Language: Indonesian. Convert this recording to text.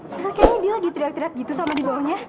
terus akhirnya dia lagi teriak teriak gitu sama di bawahnya